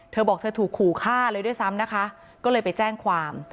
เธอบอกเธอถูกขู่ฆ่าเลยด้วยซ้ำนะคะก็เลยไปแจ้งความ